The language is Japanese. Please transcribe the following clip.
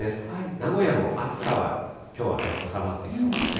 名古屋も暑さはきょうは収まってきそうですね。